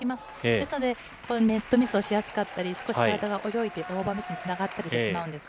ですので、ネットミスをしやすかったり、少し体が泳いでオーバーミスにつながってしまうんです。